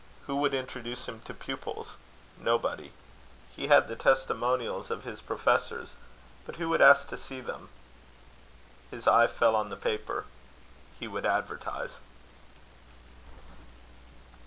Who would introduce him to pupils? Nobody. He had the testimonials of his professors; but who would ask to see them? His eye fell on the paper. He would advertise.